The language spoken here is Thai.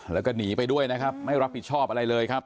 แล้วก็หนีไปด้วยนะครับไม่รับผิดชอบอะไรเลยครับ